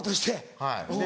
はい。